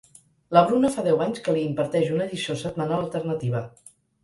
La Bruna fa deu anys que li imparteix una lliçó setmanal alternativa.